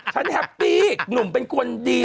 แฮปปี้หนุ่มเป็นคนดี